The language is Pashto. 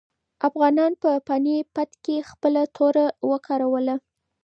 افغانانو په پاني پت کې خپله توره وکاروله.